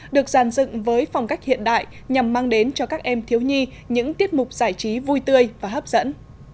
được giàn dựng với phong cách hiện đại nhằm mang đến cho các em thiếu nhi những tiết mục giải trí vui tươi và hấp dẫn